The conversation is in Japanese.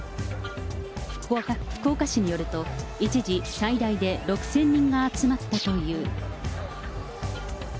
福岡市によると、一時最大で６０００人が集まったという。